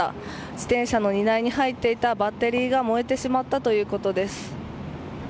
自転車の荷台に入っていたバッテリーが燃えてしまったということです。